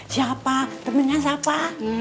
siapa temennya siapa